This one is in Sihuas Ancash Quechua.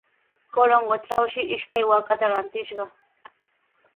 Corongotrawshi ishkay waakata rantishqa.